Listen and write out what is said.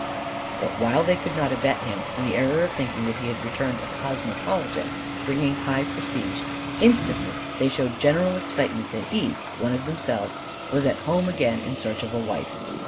But while they could not abet him in the error of thinking that he had returned a cosmopolitan, bringing high prestige, instantly they showed general excitement that he one of themselves was at home again in search of a wife.